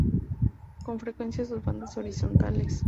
Con frecuencia con bandas horizontales.